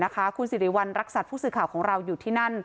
คุณสิริวัณรักษัตริย์ผู้สื่อข่าวของเราอยู่ที่นั่น